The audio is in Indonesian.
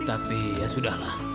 tapi ya sudah lah